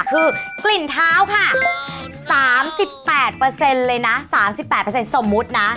คือกลิ่นเท้าค่ะ๓๘เลยนะ๓๘สมมุตินะ